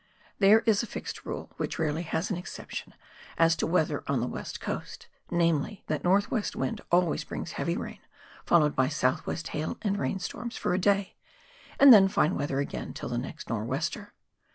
There is a fixed rule, which rarely has an exception, as to weather on the "West Coast, namely, that north west wind always brings heavy rain, followed by south west hail and rain storms for a day, and then fine weather again till the next nor' wester.